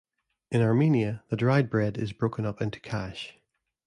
In Armenia the dried bread is broken up into khash.